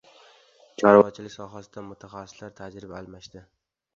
Chorvachilik sohasida mutaxassislar tajriba almashdi